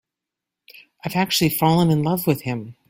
I've actually fallen in love with him.